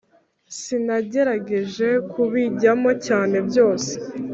sinagerageje kubijyamo cyane byose